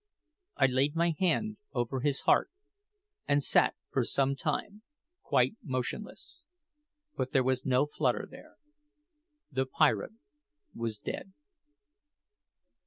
I laid my hand over his heart, and sat for some time quite motionless; but there was no flutter there the pirate was dead!